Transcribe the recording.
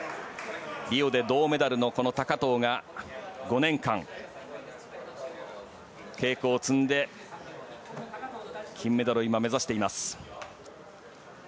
リオで銅メダルの高藤が５年間、稽古を積んで金メダルを今、目指しています。